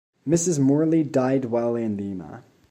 Mrs. Morley died while in Lima.